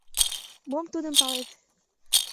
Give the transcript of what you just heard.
Мом тудым палет?